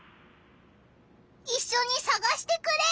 いっしょにさがしてくれ！